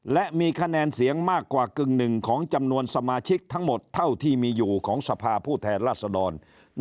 และมีคะแนนเสียงมากกว่ากึ่งหนึ่งของจำนวนสมาชิกทั้งหมดเท่าที่มีอยู่ของสภาผู้แทนราษดร